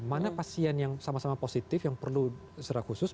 mana pasien yang sama sama positif yang perlu secara khusus